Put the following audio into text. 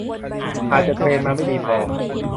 อาจจะเทรนมาไม่ดีพอ